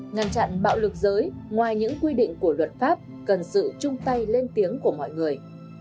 ngăn chặn bạo lực giới ngoài những quy định của luật pháp cần sự chung tay lên tiếng của mọi người